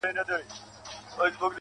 هغه په روغ زړه اگاه نه ده بيا يې وويله,